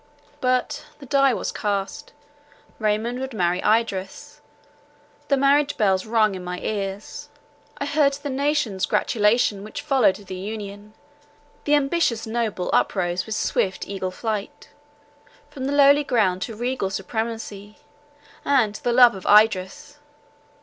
But the die was cast—Raymond would marry Idris. The merry marriage bells rung in my ears; I heard the nation's gratulation which followed the union; the ambitious noble uprose with swift eagle flight, from the lowly ground to regal supremacy—and to the love of Idris.